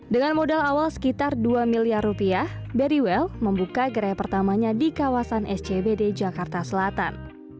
dengan modal awal sekitar dua miliar rupiah berry well membuka gerai pertamanya di kawasan scbd jakarta selatan